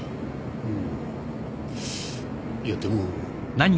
うんいやでも。